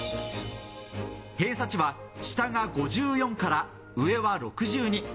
偏差値は下が５４から上は６２。